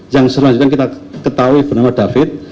yang selanjutnya kita ketahui bernama david